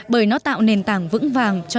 bởi nó tạo nền tảng vững vàng